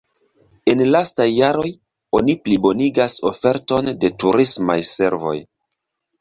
En lastaj jaroj oni plibonigas oferton de turismaj servoj.